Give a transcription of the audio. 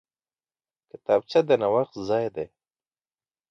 کتابچه د نوښت ځای دی